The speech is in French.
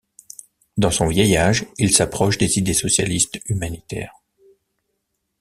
Dans son vieil âge, il s'approche des idées socialistes humanitaires.